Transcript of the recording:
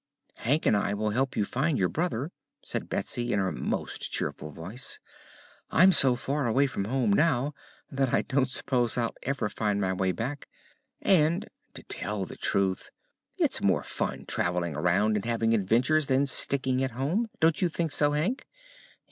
"Hank and I will help you find your brother," said Betsy in her most cheerful voice. "I'm so far away from home now that I don't s'pose I'll ever find my way back; and, to tell the truth, it's more fun traveling around and having adventures than sticking at home. Don't you think so, Hank?"